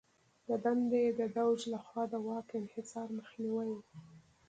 د دنده یې د دوج لخوا د واک انحصار مخنیوی و.